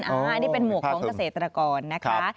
อันนี้เป็นหมวกของเกษตรกรนะคะ